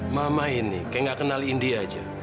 mama ini kayak gak kenal indi aja